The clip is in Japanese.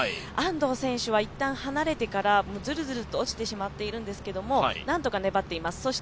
安藤選手は一旦離れてから、ずるずると落ちてしまっているんですけど、何とか粘っています。